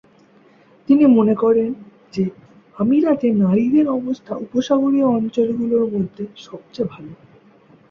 তিনি মনে করেন যে আমিরাতে নারীদের অবস্থা উপসাগরীয় অঞ্চলগুলোর মধ্যে সবচেয়ে ভাল।